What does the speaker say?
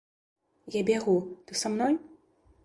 Я бягу, ты са мной?